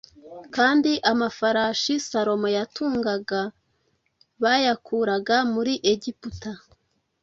Kandi amafarashi Salomo yatungaga bayakuraga muri Egiputa